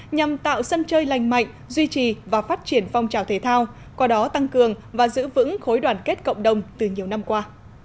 nhằm tạo sân chơi lành mạnh duy trì và phát triển phong trào thể thao qua đó tăng cường và giữ vững khối đoàn kết cộng đồng từ nhiều năm qua